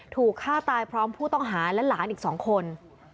ถูกฆ่าตายพร้อมผู้ต้องหาและหลานอีก๒คน